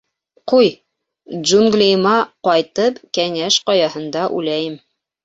Ҡуй, джунглийыма ҡайтып, Кәңәш Ҡаяһында үләйем.